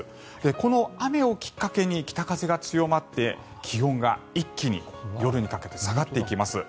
この雨をきっかけに北風が強まって気温が一気に夜にかけて下がっていきます。